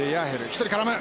１人絡む！